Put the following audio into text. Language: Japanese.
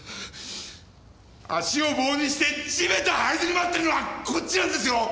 足を棒にして地べた這いずり回ってんのはこっちなんですよ。